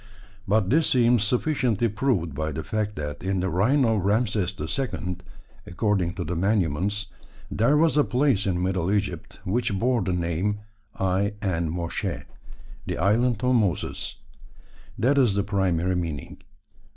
But this seems sufficiently proved by the fact that in the reign of Rameses II., according to the monuments, there was a place in Middle Egypt which bore the name I en Moshe, "the island of Moses." That is the primary meaning.